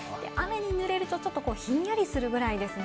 出るとちょっとひんやりするぐらいですね。